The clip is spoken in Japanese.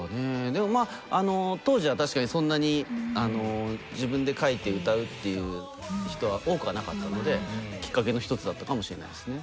でも当時は確かにそんなに自分で書いて歌うっていう人は多くはなかったのできっかけの１つだったかもしれないですね。